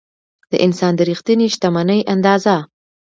د انسان د رښتینې شتمنۍ اندازه.